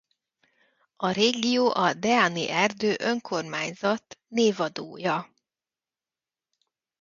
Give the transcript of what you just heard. A régió a Deani erdő önkormányzat névadója.